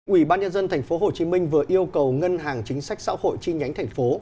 ủy ban nhân dân tp hcm vừa yêu cầu ngân hàng chính sách xã hội chi nhánh thành phố